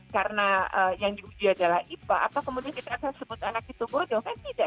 karena yang diuji adalah ipa atau kemudian kita akan sebut anak itu bodoh kan tidak